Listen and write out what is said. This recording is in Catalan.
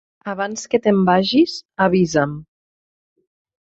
Abans que te'n vagis, avisa'm.